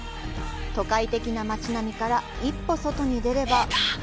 都会的な街並みから一歩外に出ればいた！